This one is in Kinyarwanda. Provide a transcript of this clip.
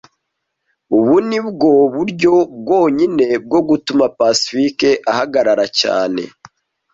Ubu ni bwo buryo bwonyine bwo gutuma Pacifique ahagarara cyane